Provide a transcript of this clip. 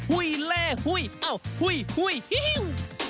ฮุ้ยเล่ฮุ้ยอ้าวฮุ้ยฮุ้ยฮิ้ว